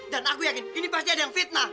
dan aku yakin ini pasti ada yang fitnah